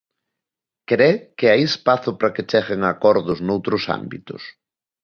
Cre que hai espazo para que cheguen a acordos noutros ámbitos?